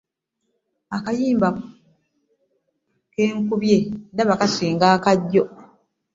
Akayimba ke nkubye ndaba kasinga aka jjo.